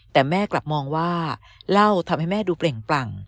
แต่แม่กลับมองว่าเล่าทำให้แม่ดูเปล่งปลั่ง